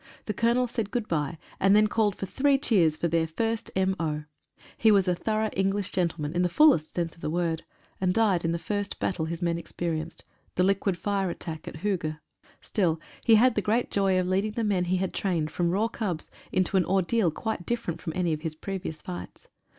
The Colonel said good bye, and then called for three cheers for their first M.O. He was a thorough English gentleman in the fullest 110 ANNIVERSARY REVIEW. sense of the word, and died in the first battle his men experienced — the liquid fire attack at Hooge. Still, he had the great joy of leading the men he had trained from raw cubs into an ordeal quite different from any of his previous fights.